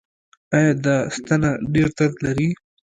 ایا دا ستنه ډیر درد لري؟